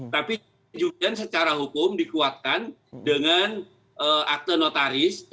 tapi juga secara hukum dikuatkan dengan akte notaris